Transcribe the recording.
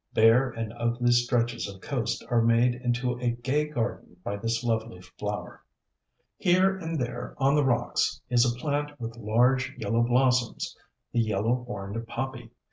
Bare and ugly stretches of coast are made into a gay garden by this lovely flower. Here and there on the rocks is a plant with large yellow blossoms the Yellow Horned Poppy.